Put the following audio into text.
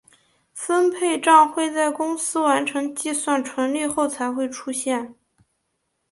分配帐会在公司完成计算纯利后才出现。